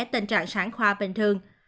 tình trạng sản khoa bình thường